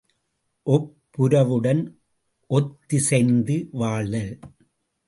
ஒப்புரவுடன் ஒத்திசைந்து வாழ்தல்.